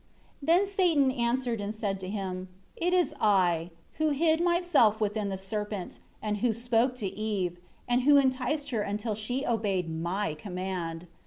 2 Then Satan answered and said to him, "It is I, who hid myself within the serpent, and who spoke to Eve, and who enticed her until she obeyed my command.